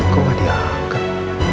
kau gak diangkat